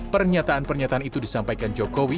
pernyataan pernyataan itu disampaikan jokowi